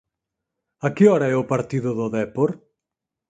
A que hora é o partido do Dépor?